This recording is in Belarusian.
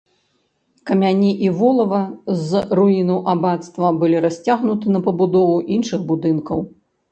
Камяні і волава з руінаў абацтва былі расцягнуты на пабудову іншых будынкаў.